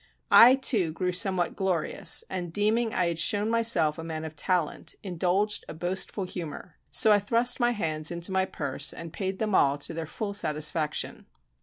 I too grew somewhat glorious; and deeming I had shown myself a man of talent, indulged a boastful humor. So I thrust my hand into my purse and paid them all to their full satisfaction.